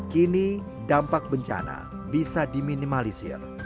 kini dampak bencana bisa diminimalisir